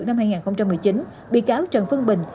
năm hai nghìn một mươi chín bị cáo trần phương bình